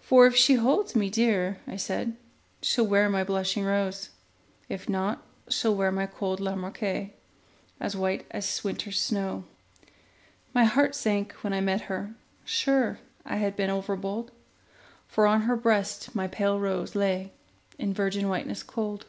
For if she holds me dear, I said, She'll wear my blushing rose; If not, she'll wear my cold Lamarque, As white as winter's snows. My heart sank when I met her: sure I had been overbold, For on her breast my pale rose lay In virgin whiteness cold.